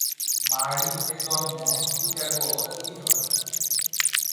মার্লিং-এর জন্ম Chicago, Illinois.